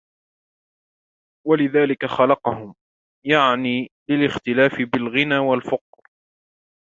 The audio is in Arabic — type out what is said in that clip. وَلِذَلِكَ خَلَقَهُمْ يَعْنِي لِلِاخْتِلَافِ بِالْغِنَى وَالْفَقْرِ